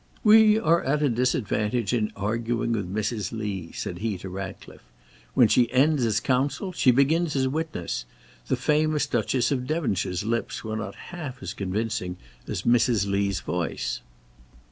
"We are at a disadvantage in arguing with Mrs. Lee," said he to Ratcliffe; "when she ends as counsel, she begins as witness. The famous Duchess of Devonshire's lips were not half as convincing as Mrs. Lee's voice."